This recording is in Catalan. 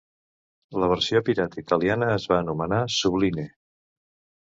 La versió pirata italiana es va anomenar "Subline".